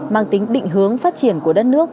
mang tính định hướng phát triển của đất nước